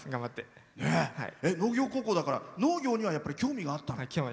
農業高校だから農業には興味があったの？